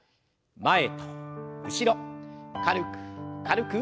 前と後ろ軽く軽く。